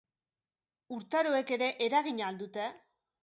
Urtaroek ere eragina al dute?